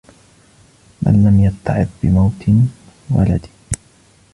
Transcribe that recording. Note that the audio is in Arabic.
مَنْ لَمْ يَتَّعِظْ بِمَوْتِ وَلَدٍ